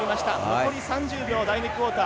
残り３０秒、第２クオーター。